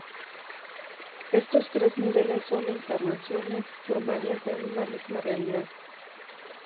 Estos tres niveles son encarnaciones formales de una misma realidad.